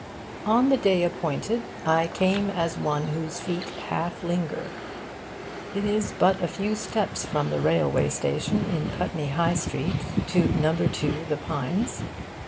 On the day appointed 'I came as one whose feet half linger.' It is but a few steps from the railway station in Putney High Street to No. 2. The Pines.